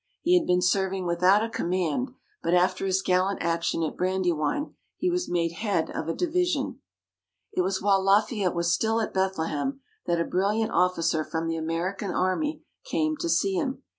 He had been serving without a command, but after his gallant action at Brandywine, he was made head of a division. It was while Lafayette was still at Bethlehem, that a brilliant officer from the American Army came to see him.